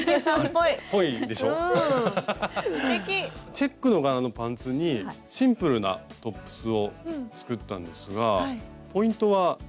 チェックの柄のパンツにシンプルなトップスを作ったんですがポイントはテープなんですよね。